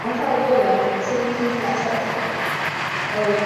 美国的主要海洛因供应者是墨西哥跨国犯罪集团。